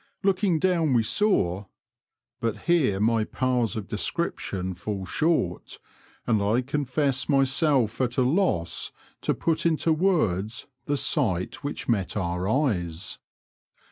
Looking down we saw But here my powers of description fall short, and I confess myself at a loss to put into words the sight which met our eyes.